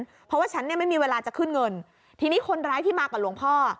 เพราะว่าฉันเนี่ยไม่มีเวลาจะขึ้นเงินทีนี้คนร้ายที่มากับหลวงพ่อ